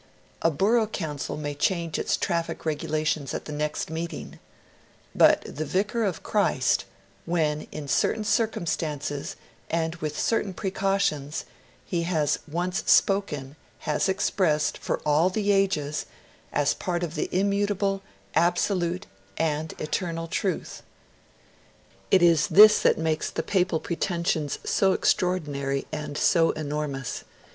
A Borough Council may change its traffic regulations at the next meeting; but the Vicar of Christ, when in certain circumstances and with certain precautions, he has once spoken, has expressed, for all the ages, a part of the immutable, absolute, and eternal Truth. It is this that makes the papal pretensions so extraordinary and so enormous.